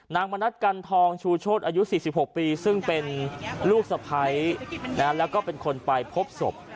มณัฐกันทองชูโชธอายุ๔๖ปีซึ่งเป็นลูกสะพ้ายแล้วก็เป็นคนไปพบศพ